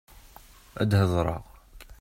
Ad hedṛeɣ.